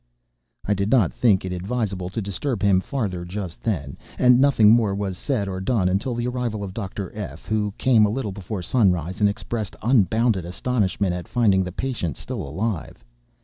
I did not think it advisable to disturb him farther just then, and nothing more was said or done until the arrival of Dr. F——, who came a little before sunrise, and expressed unbounded astonishment at finding the patient still alive.